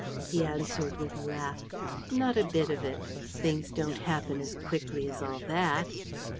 He answered, with a laugh: "Not a bit of it! Things don't happen as quickly as all that."